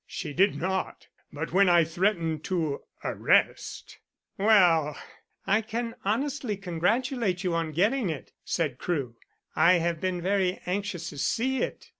"She did not. But when I threatened to arrest " "Well, I can honestly congratulate you on getting it," said Crewe. "I have been very anxious to see it.